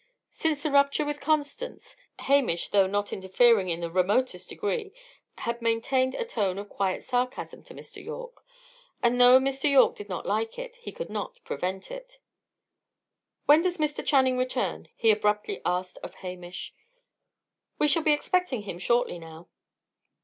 Since the rupture with Constance, Hamish, though not interfering in the remotest degree, had maintained a tone of quiet sarcasm to Mr. Yorke. And though Mr. Yorke did not like it, he could not prevent it. "When does Mr. Channing return?" he abruptly asked of Hamish. "We shall be expecting him shortly now."